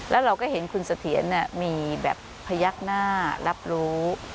แล้วเราก็เห็นคุณสะเทียนมีพยักหน้ารับรู้